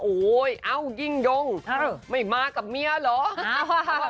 โอ้โหเอ้ายิ่งยงไม่มากับเมียเหรอ